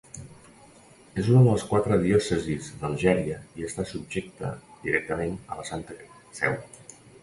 És una de les quatre diòcesis d'Algèria i està subjecte directament a la Santa Seu.